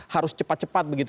harus cepat cepat begitu